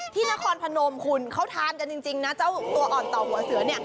นครพนมคุณเขาทานกันจริงนะเจ้าตัวอ่อนต่อหัวเสือเนี่ย